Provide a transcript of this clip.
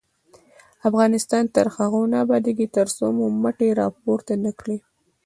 افغانستان تر هغو نه ابادیږي، ترڅو مو مټې راپورته نه کړي.